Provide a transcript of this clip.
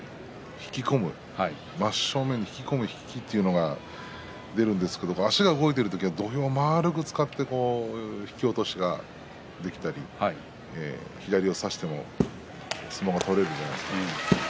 引き込む、真正面に引き込む引きというのは出るんですけれど足が動いている時は土俵を円く使って引き落としができたり左を差しても相撲が取れるんじゃないですか。